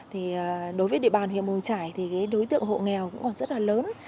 thì đối với địa bàn huyện mùa trải thì đối tượng hộ nghèo cũng còn rất là lớn